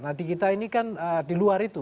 nah di kita ini kan di luar itu